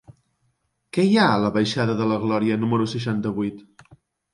Què hi ha a la baixada de la Glòria número seixanta-vuit?